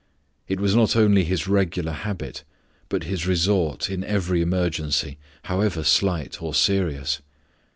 It was not only His regular habit, but His resort in every emergency, however slight or serious.